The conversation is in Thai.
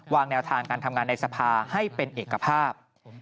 แนวทางการทำงานในสภาให้เป็นเอกภาพ